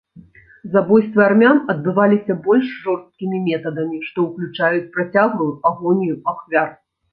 Забойствы армян адбываліся больш жорсткімі метадамі, што ўключаюць працяглую агонію ахвяр.